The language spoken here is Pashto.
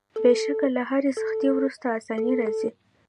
بېشکه له هري سختۍ وروسته آساني راځي.